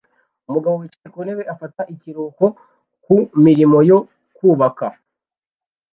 Umugabo wicaye ku ntebe afata ikiruhuko ku mirimo yo kubaka